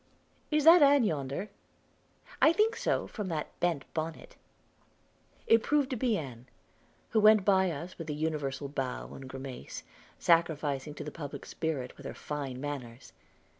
"Is that Ann yonder?" "I think so, from that bent bonnet." It proved to be Ann, who went by us with the universal bow and grimace, sacrificing to the public spirit with her fine manners.